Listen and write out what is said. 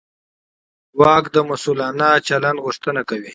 واک د مسوولانه چلند غوښتنه کوي.